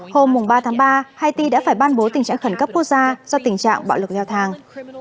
hôm ba tháng ba haiti đã phải ban bố tình trạng khẩn cấp quốc gia do tình trạng bạo lực leo thang